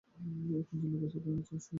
এখন যে লোকের সাথে আছ, সে সুবিধার না?